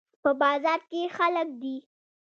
په بازار کې خلک دي